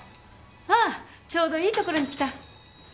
あっちょうどいいところに来た。